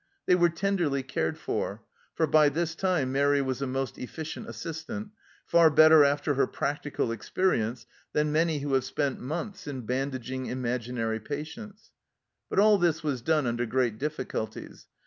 They were tenderly cared for, for by this time Mairi was a most efficient assistant, far better after her practical experience than many who have spent months in bandaging imaginary patients. But all this was done under great difficulties.